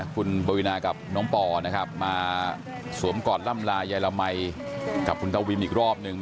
คุณปวีนากับน้องปอนะครับมาสวมกอดล่ำลายายละมัยกับคุณกวินอีกรอบหนึ่ง